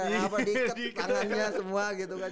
diikat tangannya semua gitu kan